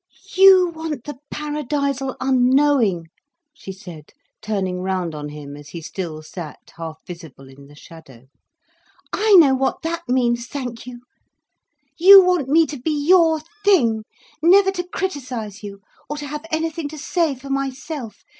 You want the paradisal unknowing," she said, turning round on him as he still sat half visible in the shadow. "I know what that means, thank you. You want me to be your thing, never to criticise you or to have anything to say for myself.